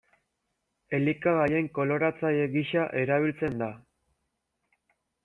Elikagaien koloratzaile gisa erabiltzen da.